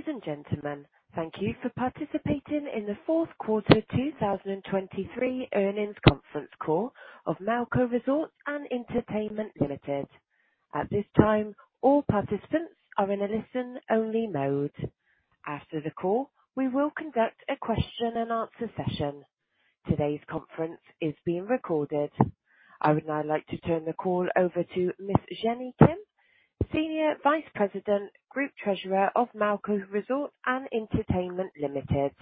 Ladies and gentlemen, thank you for participating in the fourth quarter 2023 earnings conference call of Melco Resorts & Entertainment Limited. At this time, all participants are in a listen-only mode. After the call, we will conduct a question-and-answer session. Today's conference is being recorded. I would now like to turn the call over to Ms. Jeanny Kim, Senior Vice President, Group Treasurer of Melco Resorts & Entertainment Limited.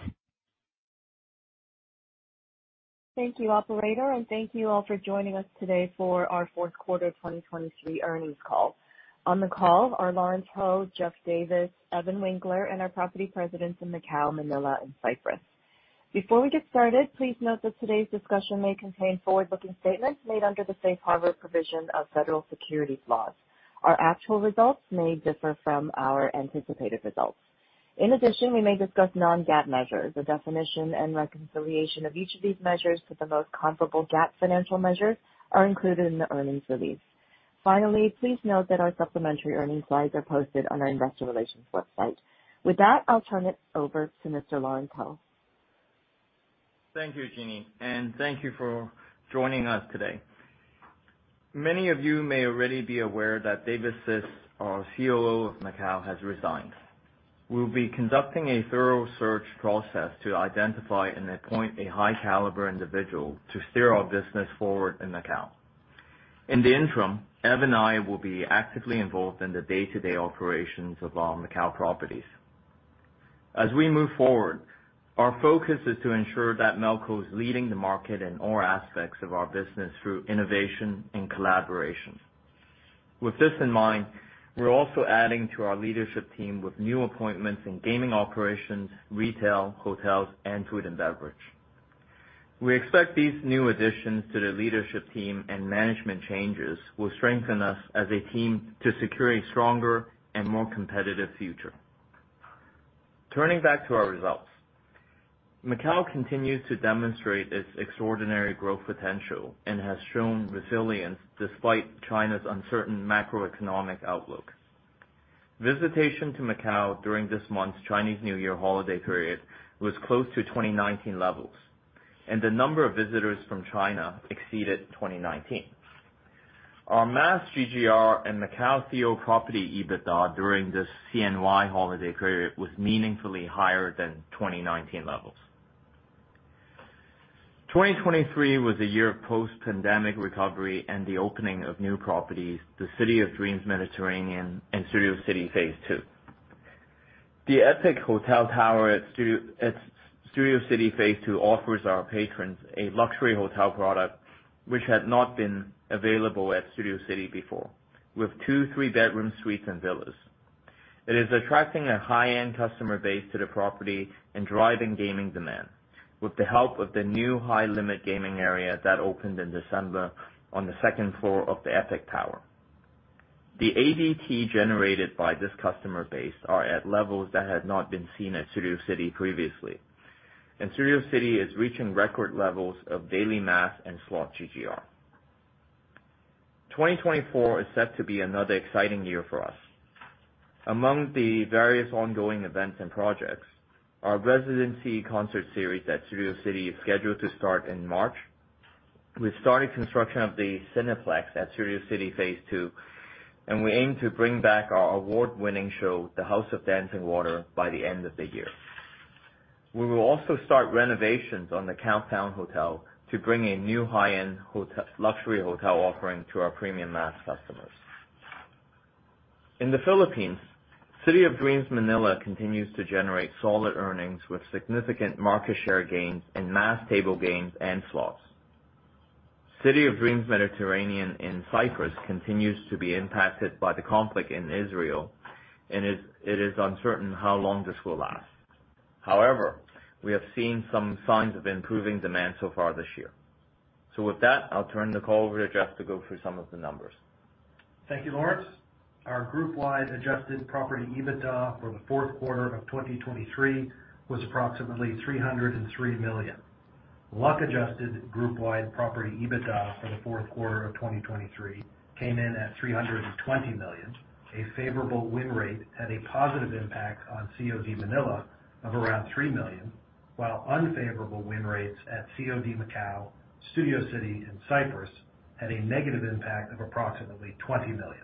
Thank you, operator, and thank you all for joining us today for our fourth quarter 2023 earnings call. On the call are Lawrence Ho, Geoffrey Davis, Evan Winkler, and our property presidents in Macau, Manila and Cyprus. Before we get started, please note that today's discussion may contain forward-looking statements made under the Safe Harbor provision of federal securities laws. Our actual results may differ from our anticipated results. In addition, we may discuss non-GAAP measures. The definition and reconciliation of each of these measures to the most comparable GAAP financial measures are included in the earnings release. Finally, please note that our supplementary earnings slides are posted on our investor relations website. With that, I'll turn it over to Mr. Lawrence Ho. Thank you, Jeanny, and thank you for joining us today. Many of you may already be aware that David Sisk, our COO of Macau, has resigned. We'll be conducting a thorough search process to identify and appoint a high caliber individual to steer our business forward in Macau. In the interim, Evan and I will be actively involved in the day-to-day operations of our Macau properties. As we move forward, our focus is to ensure that Melco is leading the market in all aspects of our business through innovation and collaboration. With this in mind, we're also adding to our leadership team with new appointments in gaming operations, retail, hotels, and food and beverage. We expect these new additions to the leadership team and management changes will strengthen us as a team to secure a stronger and more competitive future. Turning back to our results, Macau continues to demonstrate its extraordinary growth potential and has shown resilience despite China's uncertain macroeconomic outlook. Visitation to Macau during this month's Chinese New Year holiday period was close to 2019 levels, and the number of visitors from China exceeded 2019. Our mass GGR and Macau City of Dreams property EBITDA during this CNY holiday period was meaningfully higher than 2019 levels. 2023 was a year of post-pandemic recovery and the opening of new properties, the City of Dreams Mediterranean and Studio City Phase 2. The Epic Hotel Tower at Studio City Phase 2 offers our patrons a luxury hotel product, which had not been available at Studio City before, with two- and three-bedroom suites and villas. It is attracting a high-end customer base to the property and driving gaming demand, with the help of the new high-limit gaming area that opened in December on the second floor of the Epic Tower. The ADT generated by this customer base are at levels that had not been seen at Studio City previously, and Studio City is reaching record levels of daily mass and slot GGR. 2024 is set to be another exciting year for us. Among the various ongoing events and projects, our residency concert series at Studio City is scheduled to start in March. We started construction of the Cineplex at Studio City Phase 2, and we aim to bring back our award-winning show, The House of Dancing Water, by the end of the year. We will also start renovations on The Countdown Hotel to bring a new high-end hotel, luxury hotel offering to our premium mass customers. In the Philippines, City of Dreams Manila continues to generate solid earnings with significant market share gains in mass table games and slots. City of Dreams Mediterranean in Cyprus continues to be impacted by the conflict in Israel, and it is uncertain how long this will last. However, we have seen some signs of improving demand so far this year. So with that, I'll turn the call over to Geoff to go through some of the numbers. Thank you, Lawrence. Our group-wide adjusted property EBITDA for the fourth quarter of 2023 was approximately $303 million. Luck-adjusted group-wide property EBITDA for the fourth quarter of 2023 came in at $320 million. A favorable win rate had a positive impact on COD Manila of around $3 million, while unfavorable win rates at COD Macau, Studio City and Cyprus, had a negative impact of approximately $20 million.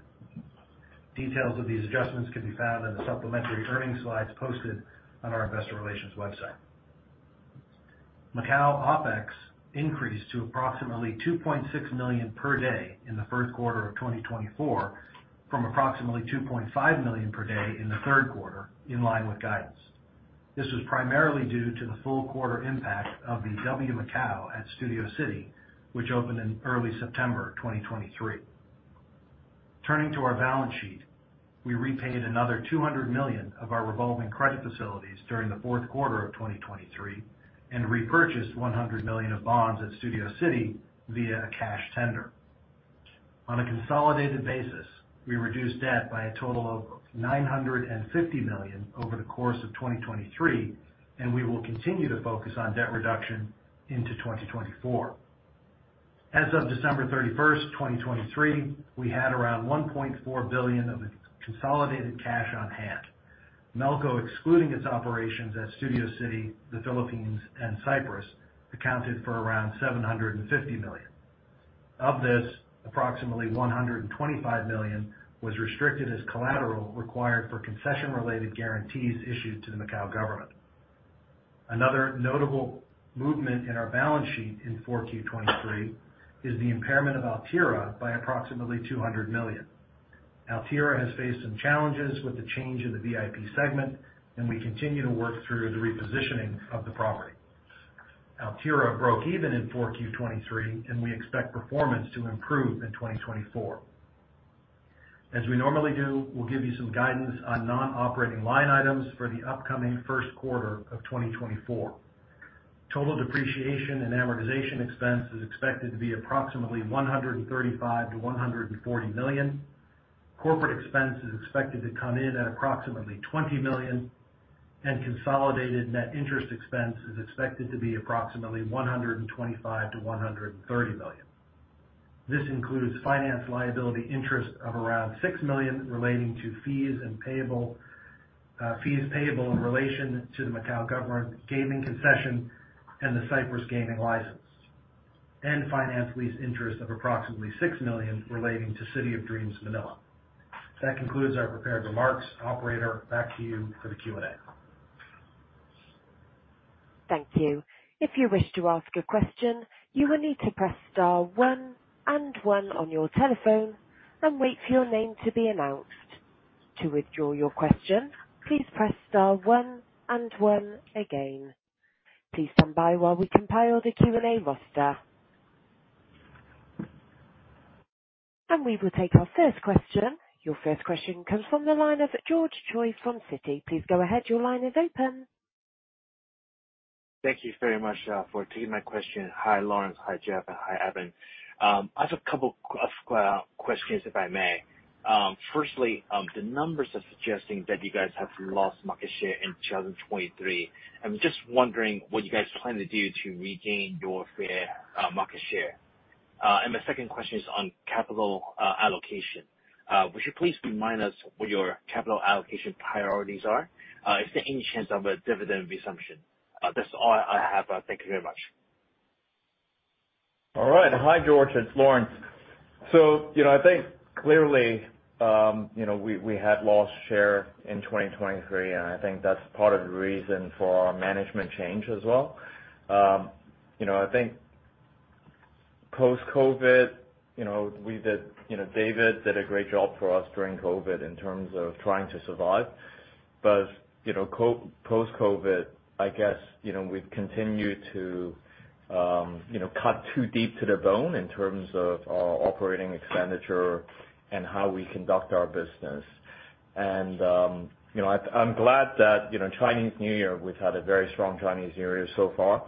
Details of these adjustments can be found in the supplementary earnings slides posted on our investor relations website. Macau OpEx increased to approximately $2.6 million per day in the first quarter of 2024, from approximately $2.5 million per day in the third quarter, in line with guidance. This was primarily due to the full quarter impact of the W Macau at Studio City, which opened in early September 2023. Turning to our balance sheet, we repaid another $200 million of our revolving credit facilities during the fourth quarter of 2023 and repurchased $100 million of bonds at Studio City via a cash tender. On a consolidated basis, we reduced debt by a total of $950 million over the course of 2023, and we will continue to focus on debt reduction into 2024. As of December 31st, 2023, we had around $1.4 billion of consolidated cash on hand. Melco, excluding its operations at Studio City, the Philippines, and Cyprus, accounted for around $750 million. Of this, approximately $125 million was restricted as collateral required for concession-related guarantees issued to the Macau government. Another notable movement in our balance sheet in 4Q 2023 is the impairment of Altira by approximately $200 million. Altira has faced some challenges with the change in the VIP segment, and we continue to work through the repositioning of the property. Altira broke even in 4Q 2023, and we expect performance to improve in 2024. As we normally do, we'll give you some guidance on non-operating line items for the upcoming first quarter of 2024. Total depreciation and amortization expense is expected to be approximately $135 million-$140 million. Corporate expense is expected to come in at approximately $20 million, and consolidated net interest expense is expected to be approximately $125 million-$130 million. This includes finance liability interest of around $6 million relating to fees and payable, fees payable in relation to the Macau government gaming concession and the Cyprus gaming license. Finance lease interest of approximately $6 million relating to City of Dreams Manila. That concludes our prepared remarks. Operator, back to you for the Q&A. Thank you. If you wish to ask a question, you will need to press star one and one on your telephone and wait for your name to be announced. To withdraw your question, please press star one and one again. Please stand by while we compile the Q&A roster. We will take our first question. Your first question comes from the line of George Choi from Citi. Please go ahead. Your line is open. Thank you very much for taking my question. Hi, Lawrence. Hi, Geoff, and hi, Evan. I have a couple of questions, if I may. Firstly, the numbers are suggesting that you guys have lost market share in 2023. I'm just wondering what you guys plan to do to regain your fair market share. And my second question is on capital allocation. Would you please remind us what your capital allocation priorities are? Is there any chance of a dividend resumption? That's all I have. Thank you very much. All right. Hi, George, it's Lawrence. So, you know, I think clearly, you know, we, we had lost share in 2023, and I think that's part of the reason for our management change as well. You know, I think post-COVID, you know, we did. You know, David did a great job for us during COVID in terms of trying to survive. But, you know, post-COVID, I guess, you know, we've continued to, you know, cut too deep to the bone in terms of our operating expenditure and how we conduct our business. And, you know, I'm glad that, you know, Chinese New Year, we've had a very strong Chinese New Year so far.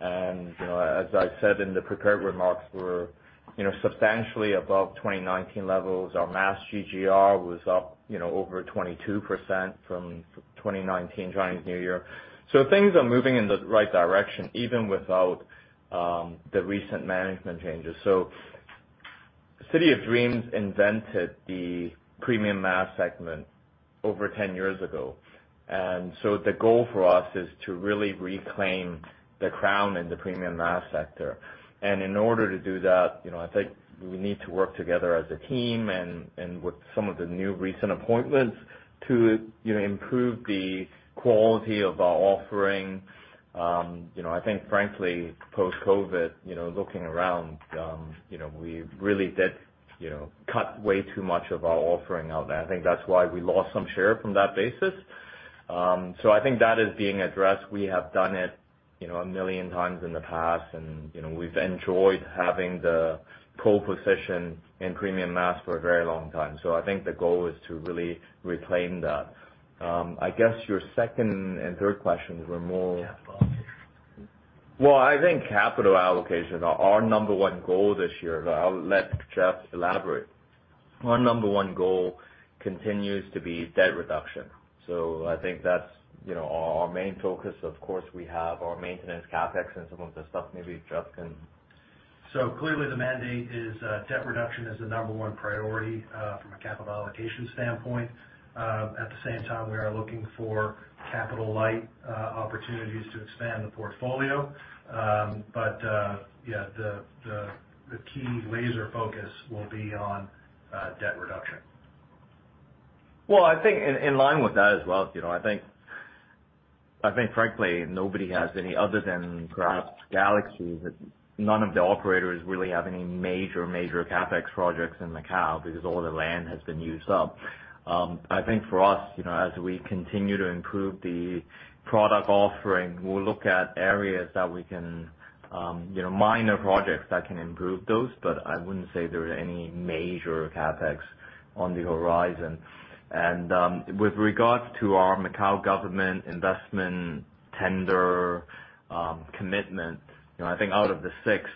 And, you know, as I said in the prepared remarks, we're, you know, substantially above 2019 levels. Our Mass GGR was up, you know, over 22% from 2019 Chinese New Year. So things are moving in the right direction, even without the recent management changes. So City of Dreams invented the Premium Mass segment over 10 years ago, and so the goal for us is to really reclaim the crown in the Premium Mass sector. And in order to do that, you know, I think we need to work together as a team and, and with some of the new recent appointments to, you know, improve the quality of our offering. You know, I think frankly, post-COVID, you know, looking around, you know, we really did, you know, cut way too much of our offering out there. I think that's why we lost some share from that basis. So I think that is being addressed. We have done it, you know, a million times in the past, and, you know, we've enjoyed having the pole position in premium mass for a very long time. So I think the goal is to really reclaim that. I guess your second and third questions were more- Capital. Well, I think capital allocation, our number one goal this year, and I'll let Geoff elaborate. Our number one goal continues to be debt reduction, so I think that's, you know, our main focus. Of course, we have our maintenance CapEx, and some of the stuff maybe Geoff can- Clearly the mandate is, debt reduction is the number one priority, from a capital allocation standpoint. At the same time, we are looking for capital light opportunities to expand the portfolio. But yeah, the key laser focus will be on debt reduction. Well, I think in line with that as well, you know, I think frankly, nobody has any other than perhaps Galaxy, but none of the operators really have any major CapEx projects in Macau, because all the land has been used up. I think for us, you know, as we continue to improve the product offering, we'll look at areas that we can, you know, minor projects that can improve those, but I wouldn't say there are any major CapEx on the horizon. And with regards to our Macau government investment tender commitment, you know, I think out of the six.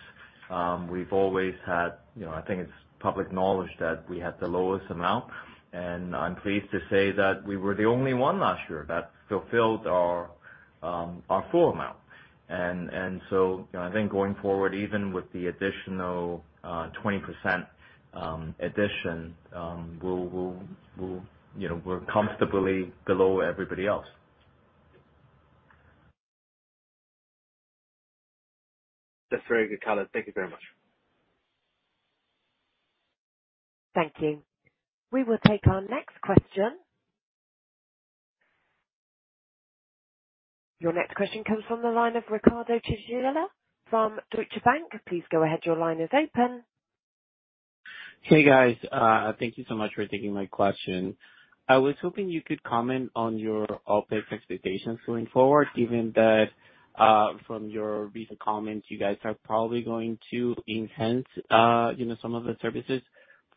We've always had, you know, I think it's public knowledge that we had the lowest amount, and I'm pleased to say that we were the only one last year that fulfilled our full amount. You know, I think going forward, even with the additional 20% addition, you know, we'll comfortably below everybody else. That's very good, Lawrence. Thank you very much. Thank you. We will take our next question. Your next question comes from the line of Ricardo Chinchilla from Deutsche Bank. Please go ahead. Your line is open. Hey, guys. Thank you so much for taking my question. I was hoping you could comment on your OpEx expectations going forward, given that, from your recent comments, you guys are probably going to enhance, you know, some of the services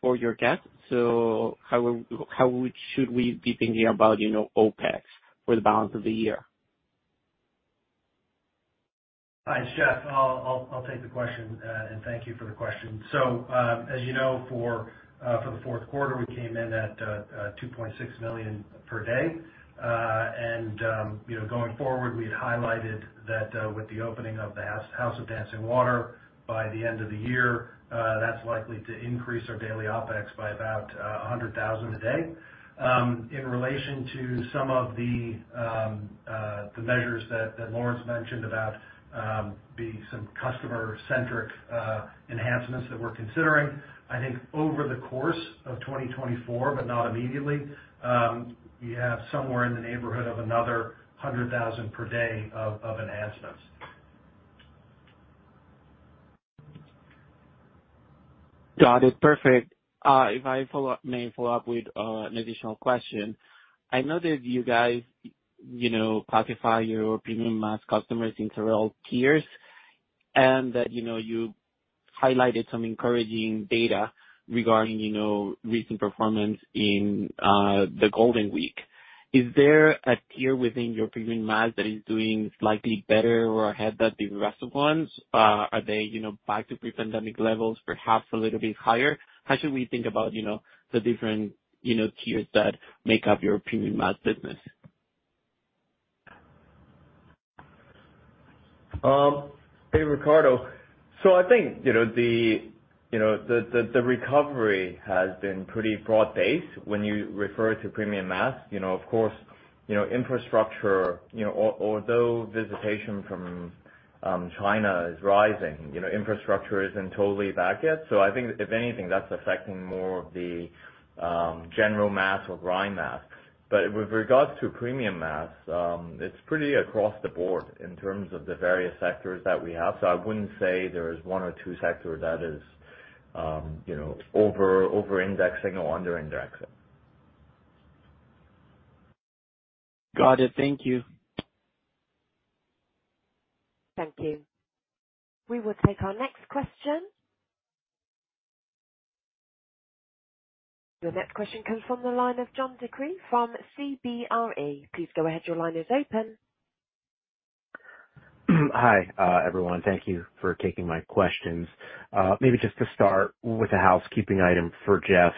for your guests. So how would should we be thinking about, you know, OpEx for the balance of the year? Hi, it's Geoff. I'll take the question, and thank you for the question. So, as you know, for the fourth quarter, we came in at $2.6 million per day. And, you know, going forward, we've highlighted that, with the opening of the House of Dancing Water by the end of the year, that's likely to increase our daily OpEx by about $100,000 a day. In relation to some of the measures that Lawrence mentioned about some customer-centric enhancements that we're considering, I think over the course of 2024, but not immediately, you have somewhere in the neighborhood of another $100,000 per day of enhancements. Got it. Perfect. If I follow up, may follow up with an additional question. I know that you guys, you know, classify your Premium Mass customers into all tiers, and that, you know, you highlighted some encouraging data regarding, you know, recent performance in the Golden Week. Is there a tier within your Premium Mass that is doing slightly better or ahead than the rest of ones? Are they, you know, back to pre-pandemic levels, perhaps a little bit higher? How should we think about, you know, the different, you know, tiers that make up your Premium Mass business? Hey, Ricardo. So I think, you know, the recovery has been pretty broad-based when you refer to Premium Mass. You know, of course, infrastructure, you know, although visitation from China is rising, you know, infrastructure isn't totally back yet. So I think if anything, that's affecting more of the general mass or grind mass. But with regards to Premium Mass, it's pretty across the board in terms of the various sectors that we have. So I wouldn't say there is one or two sectors that is over-indexing or under-indexing. Got it. Thank you. Thank you. We will take our next question. Your next question comes from the line of John DeCree from CBRE. Please go ahead. Your line is open. Hi, everyone. Thank you for taking my questions. Maybe just to start with a housekeeping item for Geoff.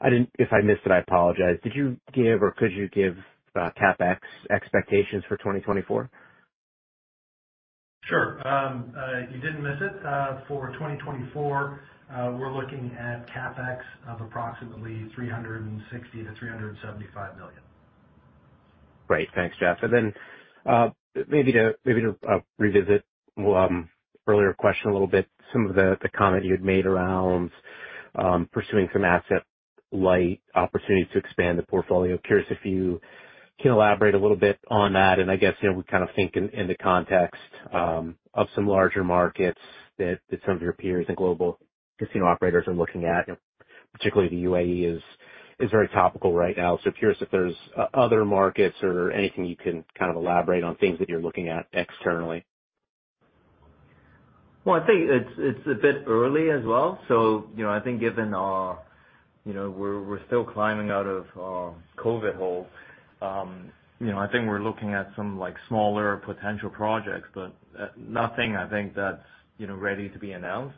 I didn't, if I missed it, I apologize. Did you give or could you give CapEx expectations for 2024? Sure. You didn't miss it. For 2024, we're looking at CapEx of approximately $360 million-$375 million. Great. Thanks, Geoff. And then, maybe to revisit earlier question a little bit, some of the comment you had made around pursuing some asset-light opportunities to expand the portfolio. Curious if you can elaborate a little bit on that, and I guess, you know, we kind of think in the context of some larger markets that some of your peers and global casino operators are looking at, particularly the UAE is very topical right now. So curious if there's other markets or anything you can kind of elaborate on, things that you're looking at externally. Well, I think it's a bit early as well. So, you know, I think given you know, we're still climbing out of COVID hole, you know, I think we're looking at some like smaller potential projects, but nothing I think that's you know ready to be announced.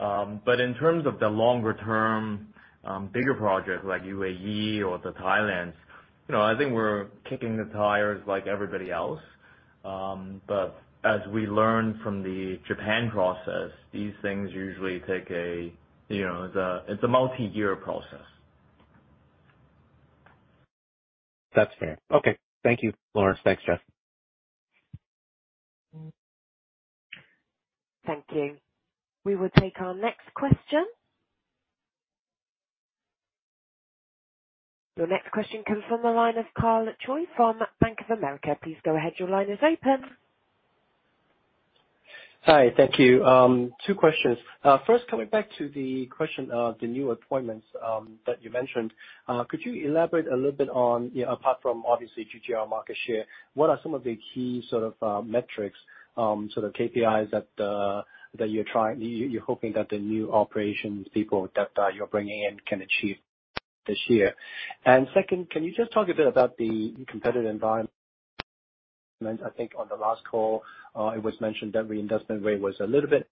But in terms of the longer term, bigger projects like UAE or the Thailand, you know, I think we're kicking the tires like everybody else. But as we learn from the Japan process, these things usually take you know it's a multi-year process. That's fair. Okay. Thank you, Lawrence. Thanks, Geoff. Thank you. We will take our next question. Your next question comes from the line of Karl Choi from Bank of America. Please go ahead. Your line is open. Hi, thank you. Two questions. First, coming back to the question of the new appointments that you mentioned. Could you elaborate a little bit on, you know, apart from obviously, GGR market share, what are some of the key sort of metrics, sort of KPIs that you're hoping that the new operations people that you're bringing in can achieve this year? And second, can you just talk a bit about the competitive environment? I think on the last call, it was mentioned that reinvestment rate was a little bit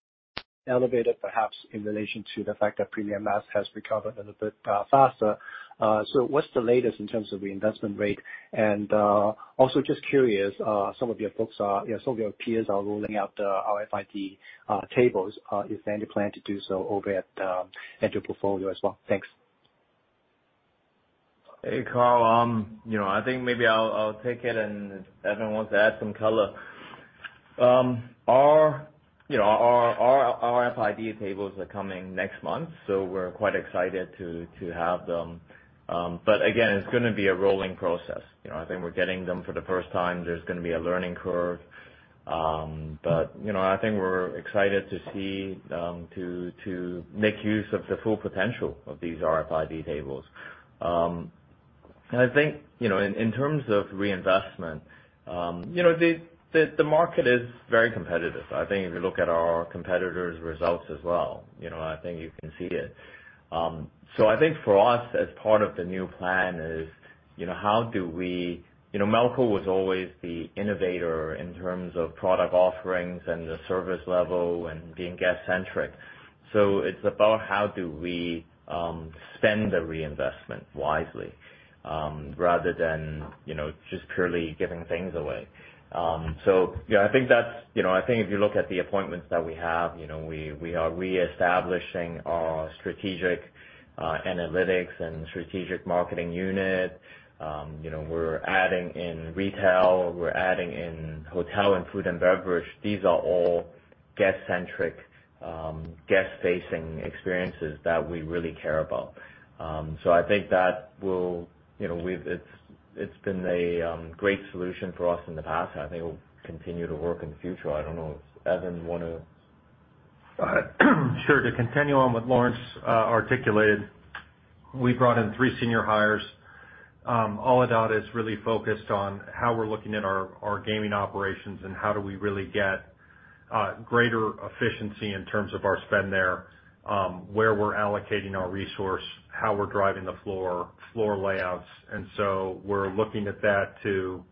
elevated, perhaps in relation to the fact that Premium Mass has recovered a little bit faster. So what's the latest in terms of reinvestment rate? Also, just curious, you know, some of your peers are rolling out the RFID tables. Is there any plan to do so over at your portfolio as well? Thanks. Hey, Carl, you know, I think maybe I'll take it, and if Evan wants to add some color. Our RFID tables are coming next month, so we're quite excited to have them. But again, it's gonna be a rolling process. You know, I think we're getting them for the first time. There's gonna be a learning curve. But, you know, I think we're excited to see to make use of the full potential of these RFID tables. I think, you know, in terms of reinvestment, you know, the market is very competitive. I think if you look at our competitors' results as well, you know, I think you can see it. So I think for us, as part of the new plan is, you know, how do we... You know, Melco was always the innovator in terms of product offerings and the service level and being guest-centric. So it's about how do we spend the reinvestment wisely, rather than, you know, just purely giving things away. So yeah, I think that's, you know, I think if you look at the appointments that we have, you know, we are reestablishing our strategic analytics and strategic marketing unit. You know, we're adding in retail, we're adding in hotel and food and beverage. These are all guest-centric guest-facing experiences that we really care about. So I think that will, you know, it's, it's been a great solution for us in the past, and I think it will continue to work in the future. I don't know if, Evan, you wanna? Sure. To continue on what Lawrence articulated, we brought in three senior hires. All of that is really focused on how we're looking at our gaming operations and how do we really get greater efficiency in terms of our spend there, where we're allocating our resource, how we're driving the floor, floor layouts. And so we're looking at that to,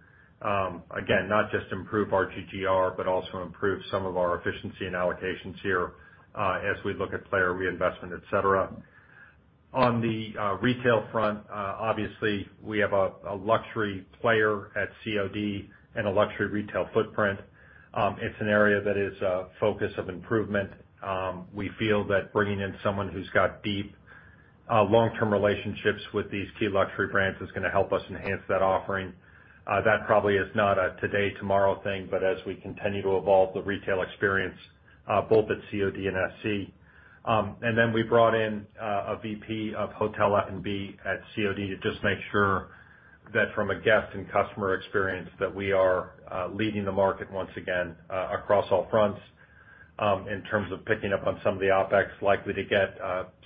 again, not just improve our GGR, but also improve some of our efficiency and allocations here, as we look at player reinvestment, et cetera. On the retail front, obviously, we have a luxury player at COD and a luxury retail footprint. It's an area that is a focus of improvement. We feel that bringing in someone who's got deep, long-term relationships with these key luxury brands is gonna help us enhance that offering. That probably is not a today, tomorrow thing, but as we continue to evolve the retail experience, both at COD and SC. And then we brought in a VP of hotel F&B at COD to just make sure that from a guest and customer experience, that we are leading the market once again across all fronts. In terms of picking up on some of the OpEx, likely to get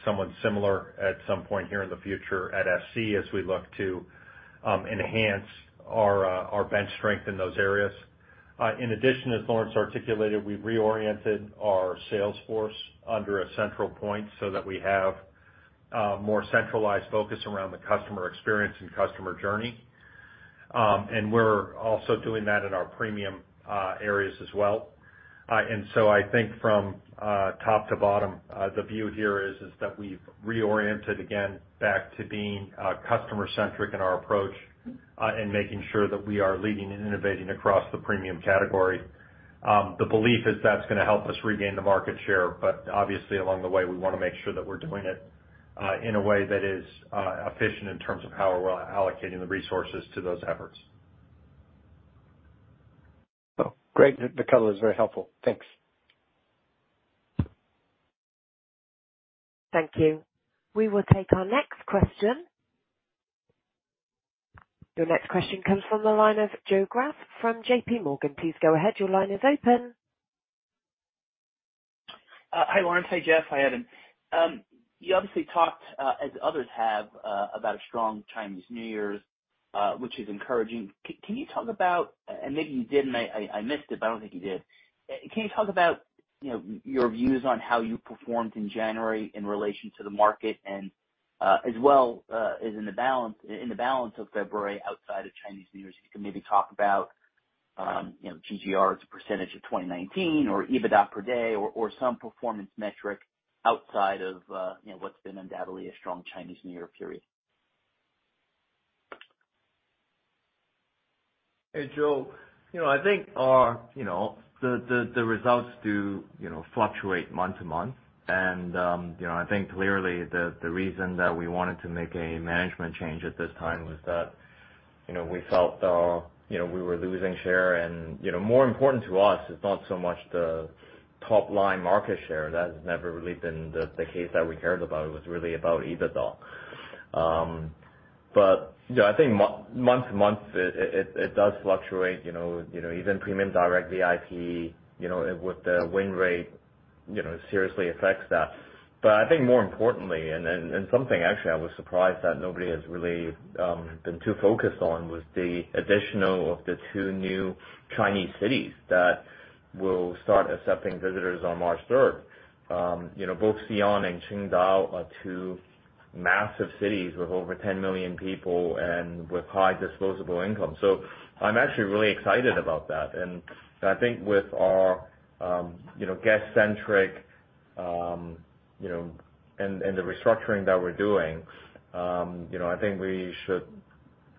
someone similar at some point here in the future at SC, as we look to enhance our bench strength in those areas. In addition, as Lawrence articulated, we've reoriented our sales force under a central point, so that we have more centralized focus around the customer experience and customer journey. And we're also doing that in our premium areas as well. And so I think from top to bottom, the view here is that we've reoriented again back to being customer-centric in our approach, and making sure that we are leading and innovating across the premium category. The belief is that's gonna help us regain the market share, but obviously, along the way, we want to make sure that we're doing it in a way that is efficient in terms of how we're allocating the resources to those efforts. Oh, great. The color is very helpful. Thanks. Thank you. We will take our next question. Your next question comes from the line of Joe Greff from JPMorgan. Please go ahead. Your line is open. Hi, Lawrence. Hi, Geoff. Hi, Evan. You obviously talked, as others have, about a strong Chinese New Year, which is encouraging. Can you talk about, and maybe you did, and I missed it, but I don't think you did. Can you talk about, you know, your views on how you performed in January in relation to the market and, as well, as in the balance, in the balance of February outside of Chinese New Year? If you can maybe talk about, you know, GGR as a percentage of 2019 or EBITDA per day or, or some performance metric outside of, you know, what's been undoubtedly a strong Chinese New Year period. Hey, Joe. You know, I think our results do, you know, fluctuate month to month. And, you know, I think clearly the reason that we wanted to make a management change at this time was that, you know, we felt, you know, we were losing share. And, you know, more important to us is not so much the top-line market share. That has never really been the case that we cared about. It was really about EBITDA. But, you know, I think month to month, it does fluctuate, you know, even premium direct VIP, you know, with the win rate, you know, seriously affects that. But I think more importantly, something actually I was surprised that nobody has really been too focused on, was the addition of the two new Chinese cities that will start accepting visitors on March third. You know, both Xian and Qingdao are massive cities with over 10 million people and with high disposable income. So I'm actually really excited about that. And I think with our, you know, guest centric, you know, and the restructuring that we're doing, you know, I think we should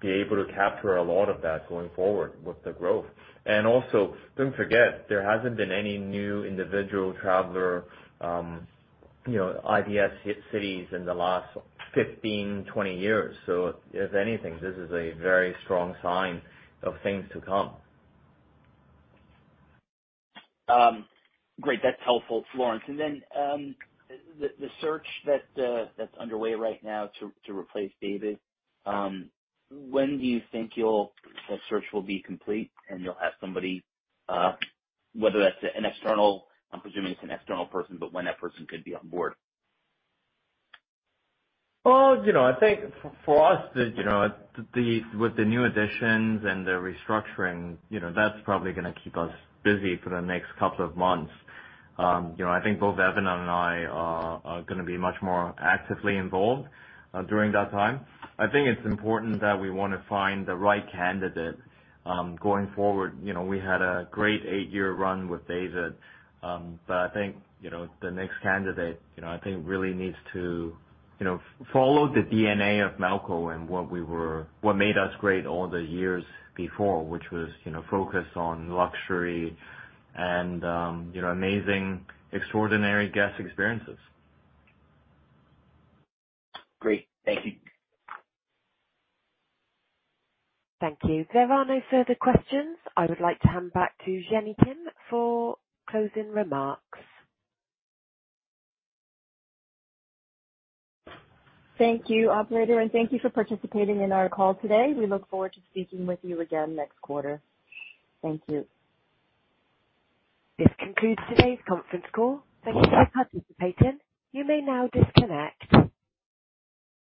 be able to capture a lot of that going forward with the growth. And also, don't forget, there hasn't been any new individual traveler, you know, IVS cities in the last 15, 20 years. So if anything, this is a very strong sign of things to come. Great. That's helpful, Lawrence. And then, the search that's underway right now to replace David, when do you think that search will be complete and you'll have somebody, whether that's an external, I'm presuming it's an external person, but when that person could be on board? Well, you know, I think for us, you know, with the new additions and the restructuring, you know, that's probably gonna keep us busy for the next couple of months. You know, I think both Evan and I are gonna be much more actively involved during that time. I think it's important that we want to find the right candidate going forward. You know, we had a great eight-year run with David, but I think, you know, the next candidate, you know, I think really needs to follow the DNA of Melco and what made us great all the years before, which was, you know, focused on luxury and, you know, amazing, extraordinary guest experiences. Great. Thank you. Thank you. There are no further questions. I would like to hand back to Jeanny Kim for closing remarks. Thank you, operator, and thank you for participating in our call today. We look forward to speaking with you again next quarter. Thank you. This concludes today's conference call. Thank you for participating. You may now disconnect.